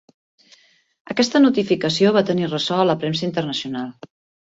Aquesta notificació va tenir ressò a la premsa internacional.